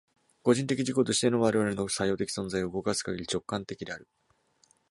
個人的自己としての我々の作用的存在を動かすかぎり、直観的である。